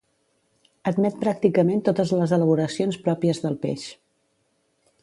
Admet pràcticament totes les elaboracions pròpies del peix.